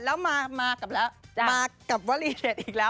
แล้วมากับวัลอีเรดอีกแล้ว